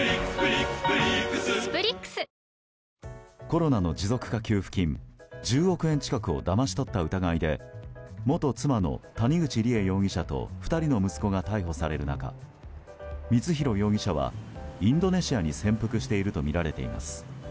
コロナの持続化給付金１０億円近くをだまし取った疑いで元妻の谷口梨恵容疑者と２人の息子が逮捕される中光弘容疑者はインドネシアに潜伏しているとみられています。